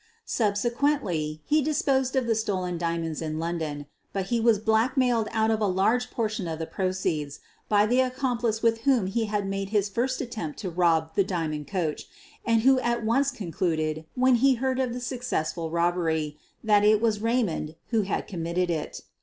Subsequently, QUEEN OF THE BURGLARS 177 he disposed of the stolen diamonds in London, but he was blackmailed out of a large portion of the proceeds by the accomplice with whom he had made his first attempt to rob the diamond coach, and who at once concluded when he heard of the successful robbery that it was Raymond who had committed it.